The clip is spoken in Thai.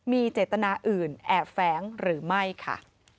มีเจตนาอื่นแอบแฟ้งหรือไม่ค่ะ